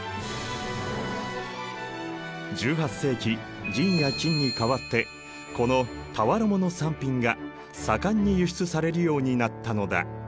１８世紀銀や金に代わってこの俵物三品が盛んに輸出されるようになったのだ。